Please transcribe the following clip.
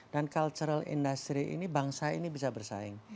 dan cultural industry ini bangsa ini bisa bersaing